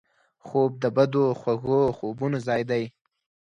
خوب د بدو خوږو خوبونو ځای دی